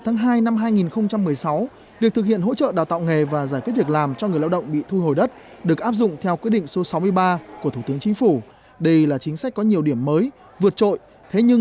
thế nhưng để thực hiện hỗ trợ đào tạo nghề và giải quyết việc làm cho người lao động bị thu hồi đất được áp dụng theo quyết định số sáu mươi ba của thủ tướng chính phủ